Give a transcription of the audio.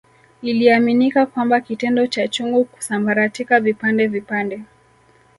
Iliaminika kwamba kitendo cha chungu kusambaratika vipande vipande